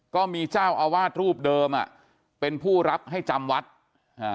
ก็มีเจ้าอาวาสรูปเดิมอ่ะเป็นผู้รับให้จำวัดอ่า